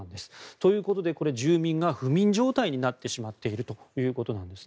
ということで住民が不眠状態になってしまっているということです。